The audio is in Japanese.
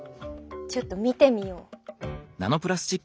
ちょっと見てみよう。